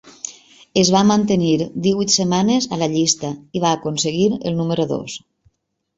Es va mantenir divuit setmanes a la llista i va aconseguir el número dos.